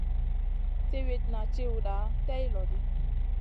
Siwitna tchiwda tay lo ɗi.